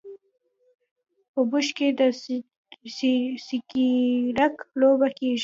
په ژمي کې د سکیینګ لوبه کیږي.